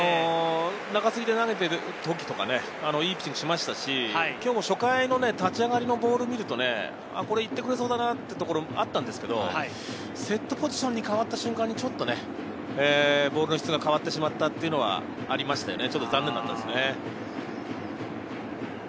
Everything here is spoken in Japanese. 中継ぎで投げているときとか、いいピッチングをしましたし、今日も初回の立ち上がりのボールを見ると、いってくれそうだなっていうところがあったんですけど、セットポジションに変わった瞬間にちょっとボールの質が変わってしまったというのがありますね。